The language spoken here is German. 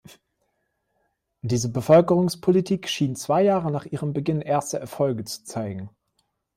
Diese Bevölkerungspolitik schien zwei Jahre nach ihrem Beginn erste Erfolge zu zeigen.